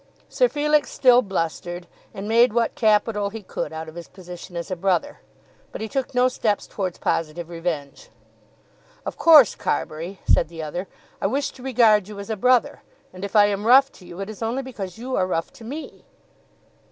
Sir Felix still blustered, and made what capital he could out of his position as a brother; but he took no steps towards positive revenge. "Of course, Carbury," said the other, "I wish to regard you as a brother; and if I am rough to you, it is only because you are rough to me."